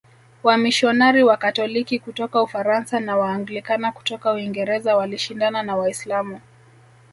Wamisionari Wakatoliki kutoka Ufaransa na Waanglikana kutoka Uingereza walishindana na Waislamu